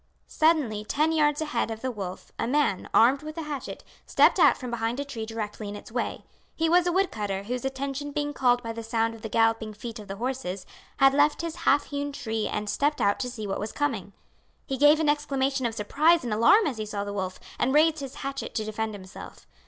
Suddenly, ten yards ahead of the wolf, a man, armed with a hatchet, stepped out from behind a tree directly in its way. He was a wood cutter whose attention being called by the sound of the galloping feet of the horses, had left his half hewn tree and stepped out to see who was coming. He gave an exclamation of surprise and alarm as he saw the wolf, and raised his hatchet to defend himself.